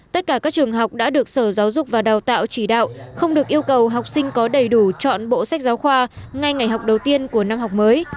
tất cả các trường học đã được sở giáo dục và đào tạo chỉ đạo không được yêu cầu học sinh có đầy đủ chọn bộ sách giáo khoa ngay ngày học đầu tiên của năm học mới